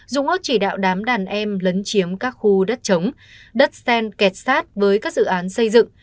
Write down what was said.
dung úc chỉ đạo đám đàn em lấn chiếm các khu đất chống đất sen kẹt sát với các dự án xây dựng